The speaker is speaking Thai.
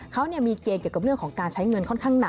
เขามีเกณฑ์เกี่ยวกับเรื่องของการใช้เงินค่อนข้างหนัก